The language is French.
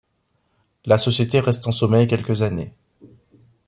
La société reste en sommeil quelques années.